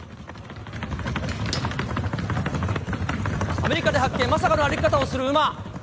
アメリカで発見、まさかの歩き方をする馬。